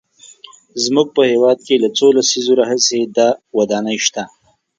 زموږ په هېواد کې له څو لسیزو راهیسې دا ودانۍ شته.